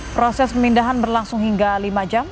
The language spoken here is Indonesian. proses pemindahan berlangsung hingga lima jam